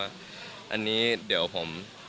อันนี้เดี๋ยวผม